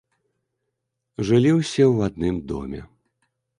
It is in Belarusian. Жылі ўсе ў адным доме.